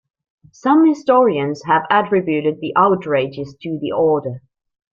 Some historians have attributed the outrages to the Order.